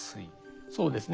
そうですね